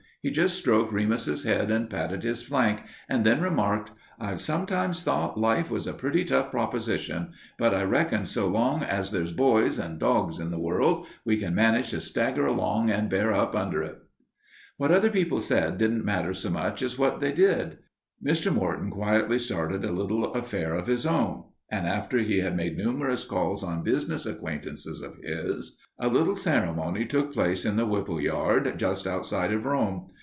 He just stroked Remus's head and patted his flank, and then remarked, "I've sometimes thought life was a pretty tough proposition, but I reckon so long as there's boys an' dogs in the world, we can manage to stagger along an' bear up under it." What other people said didn't matter so much as what they did. Mr. Morton quietly started a little affair of his own, and after he had made numerous calls on business acquaintances of his, a little ceremony took place in the Whipple yard, just outside of Rome.